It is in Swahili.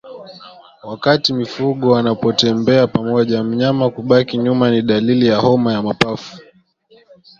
Wakati mifugo wanapotembea pamoja mnyama kubaki nyuma ni dalili ya homa ya mapafu